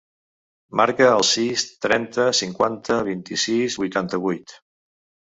Marca el sis, trenta, cinquanta, vint-i-sis, vuitanta-vuit.